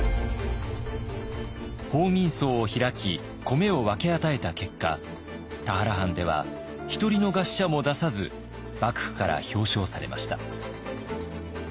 報民倉を開き米を分け与えた結果田原藩では１人の餓死者も出さず幕府から表彰されました。